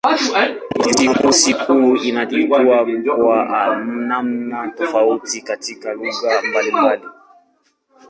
Jumamosi kuu inaitwa kwa namna tofauti katika lugha mbalimbali.